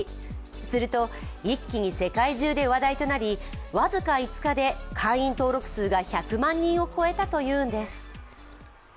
すると一気に世界中で話題となり僅か５日で会員登録数が１００万人を超えたというのです。